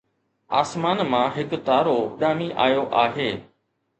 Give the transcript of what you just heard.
آسمان مان هڪ تارو اڏامي آيو آهي